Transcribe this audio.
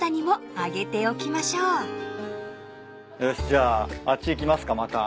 じゃああっち行きますかまた。